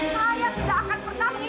saya tidak akan bertanggungji